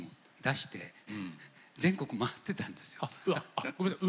あっごめんなさい